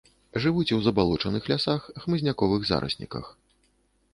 Жывуць у забалочаных лясах, хмызняковых зарасніках.